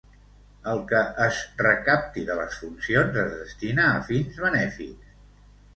Els que es recapti de les funcions es destina a fins benèfics.